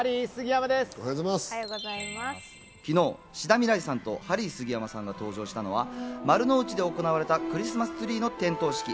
昨日、志田未来さんとハリー杉山さんが登場したのは丸の内で行われたクリスマスツリーの点灯式。